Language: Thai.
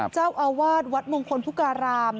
เจ้าอาวาสวัดมงคลพุการาม